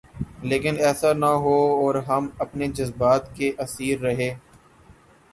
لیکن ایسا نہ ہوا اور ہم اپنے جذبات کے اسیر رہے۔